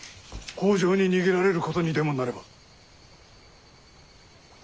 北条に逃げられることにでもなれば。